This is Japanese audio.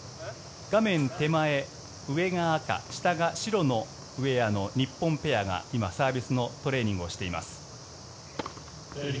画面手前、上が赤下が白のウェアの日本ペアが今、サービスのトレーニングをしています。